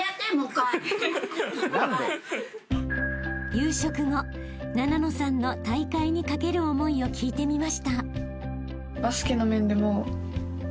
［夕食後ななのさんの大会にかける思いを聞いてみました］